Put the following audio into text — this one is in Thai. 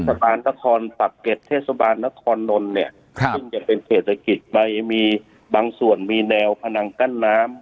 เทศบาลนครปรับเก็ตเทศบาลนครนลเนี้ยครับจะเป็นเทศเศรษฐกิจใบมีบางส่วนมีแนวพนังกั้นน้ำ